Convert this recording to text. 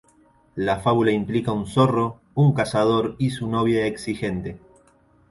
La fábula implica un zorro, un cazador, y su novia exigente.